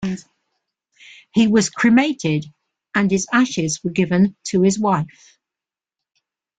He was cremated, and his ashes were given to his wife.